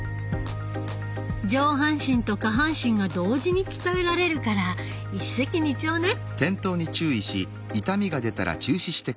上半身と下半身が同時に鍛えられるから一石二鳥ね。